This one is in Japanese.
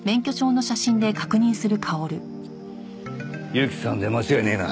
由季さんで間違いねえな。